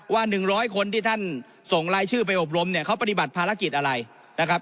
ว่า๑๐๐คนที่ท่านส่งรายชื่อไปอบรมเนี่ยเขาปฏิบัติภารกิจอะไรนะครับ